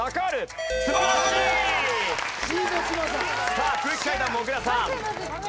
さあ空気階段もぐらさん。